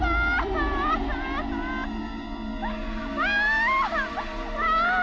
diri itu benca itu